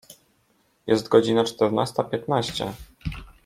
Jest godzina czternasta piętnaście.